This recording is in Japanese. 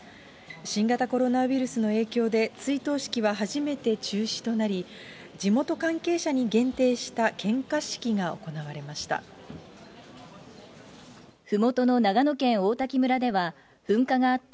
新型コロナウイルスの影響で、追悼式は初めて中止となり、地元関係者に限定した献花式が行われました。